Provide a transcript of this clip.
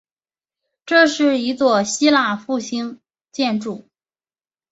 这是一座希腊复兴建筑。